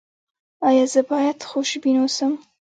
ایا زه باید خوشبین اوسم؟